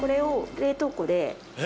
冷凍庫で？